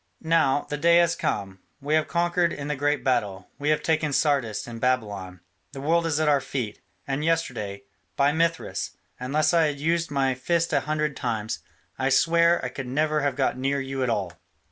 Now, the day has come; we have conquered in the great battle; we have taken Sardis and Babylon; the world is at our feet, and yesterday, by Mithras! unless I had used my fists a hundred times, I swear I could never have got near you at all.